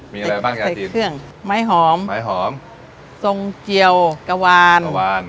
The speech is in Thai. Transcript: มีอะไรบ้างครับเครื่องไม้หอมไม้หอมทรงเจียวกะวานกะวาน